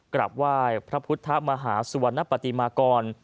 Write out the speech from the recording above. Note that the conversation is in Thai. กราบว่าพระพุทธมหาสวนปฏิมากร